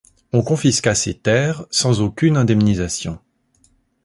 On confisqua ces terres sans aucune indemnisation.